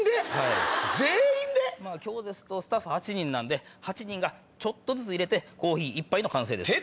全員で⁉今日ですとスタッフ８人なんで８人がちょっとずつ入れてコーヒー１杯の完成です。